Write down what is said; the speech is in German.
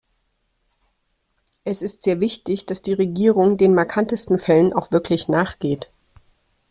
Es ist sehr wichtig, dass die Regierung den markantesten Fällen auch wirklich nachgeht.